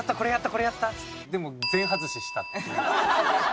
これやった？でも全ハズシしたっていう。